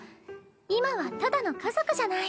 今はただの家族じゃない。